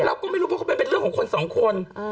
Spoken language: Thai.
เราก็ไม่รู้เพราะเขาเป็นเรื่องของคนสองคน